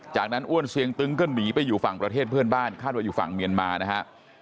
จากนั้นอ้วนเสียงตึงก็หนีไปอยู่ฝั่งประเทศเพื่อนบ้านคาดว่าอยู่ฝั่งเมียนมานะฮะ